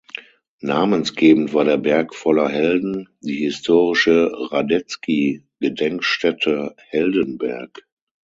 Namensgebend war der Berg voller Helden, die historische Radetzky-Gedenkstätte Heldenberg.